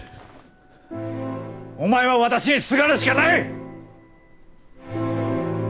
お前は私にすがるしかない！